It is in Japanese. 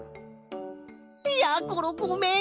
やころごめん！